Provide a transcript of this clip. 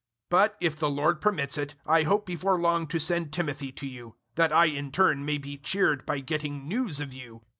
002:019 But, if the Lord permits it, I hope before long to send Timothy to you, that I, in turn, may be cheered by getting news of you.